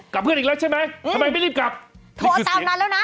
กับเพื่อนอีกแล้วใช่ไหมทำไมไม่รีบกลับโทรตามนั้นแล้วนะ